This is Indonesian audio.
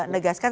pada saat ini